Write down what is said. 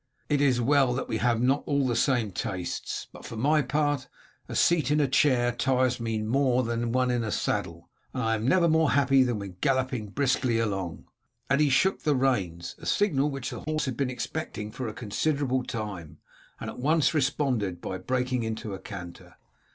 "It is well that we have not all the same tastes, but for my part a seat in a chair tires me more than one in a saddle, and I am never more happy than when galloping briskly along," and he shook the reins, a signal which the horse had been expecting for a considerable time, and at once responded to by breaking into a canter.